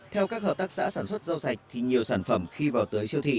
theo các hợp tác xã sản xuất rau sạch thì nhiều sản phẩm khi vào tưới siêu thị